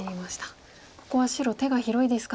ここは白手が広いですか。